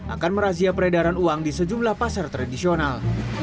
akan merazia peredaran uang di sejumlah pasar tradisional